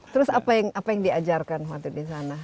terus apa yang diajarkan waktu di sana